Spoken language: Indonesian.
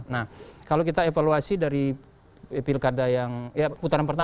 nah kalau kita evaluasi dari putaran pertama